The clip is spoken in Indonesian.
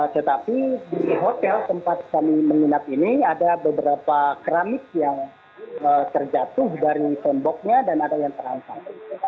tetapi di hotel tempat kami menginap ini ada beberapa keramik yang terjatuh dari temboknya dan ada yang terancam